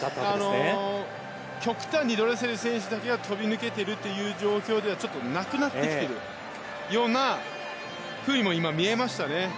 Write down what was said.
極端にドレセル選手だけが飛びぬけているという状況ではなくなってきているようなふうにも今、見えましたね。